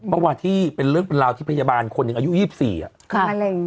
เมื่อว่าที่เป็นเรื่องเป็นราวที่พยาบาลคนอายุ๒๔อะค่ะมะเร็ง